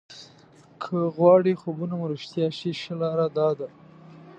که غواړئ خوبونه مو رښتیا شي ښه لاره داده.